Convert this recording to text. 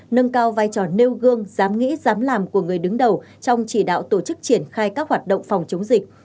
nâng cao vai trò nêu gương dám nghĩ dám làm của người đứng đầu trong chỉ đạo tổ chức triển khai các hoạt động phòng chống dịch